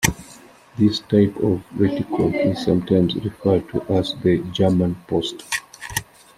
This type of reticle is sometimes referred to as the "German Post".